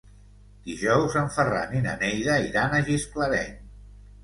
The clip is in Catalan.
Dijous en Ferran i na Neida iran a Gisclareny.